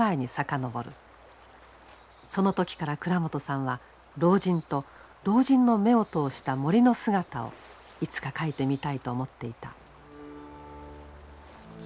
その時から倉本さんは老人と老人の目を通した森の姿をいつか書いてみたいと思っていた。